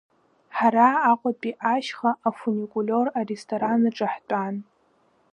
Ҳара Аҟәатәи ашьха, афуникулиор аресторан аҿы ҳтәан.